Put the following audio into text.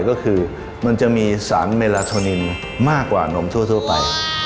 ก็คือมันจะมีสารเมลาโทนินมากกว่านมทั่วไป